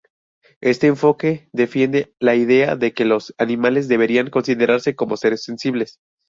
Este enfoque defiende la idea de que los animales deberían considerarse como seres sensibles.